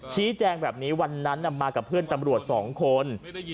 ชี้แจงแบบนี้วันนั้นมากับเพื่อนตำรวจ๒คน